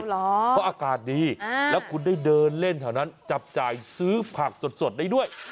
เพราะอากาศดีแล้วคุณได้เดินเล่นแถวนั้นจับจ่ายซื้อผักสดได้ด้วย